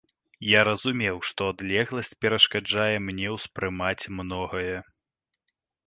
Я разумеў, што адлегласць перашкаджае мне ўспрымаць многае.